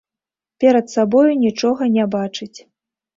Перад сабою нічога не бачыць.